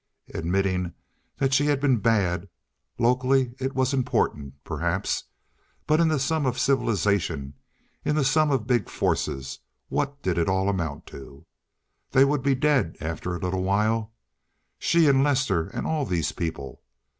Admitting that she had been bad—locally it was important, perhaps, but in the sum of civilization, in the sum of big forces, what did it all amount to? They would be dead after a little while, she and Lester and all these people.